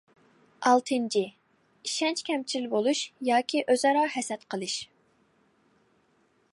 ئالتىنچى، ئىشەنچ كەمچىل بولۇش ياكى ئۆزئارا ھەسەت قىلىش.